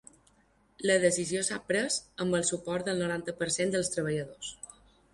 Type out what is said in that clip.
La decisió s’ha pres amb el suport del noranta per cent dels treballadors.